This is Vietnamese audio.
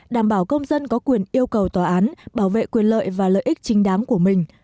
đảm bảo công dân có quyền yêu cầu tòa án bảo vệ quyền lợi và lợi ích chính đáng của mình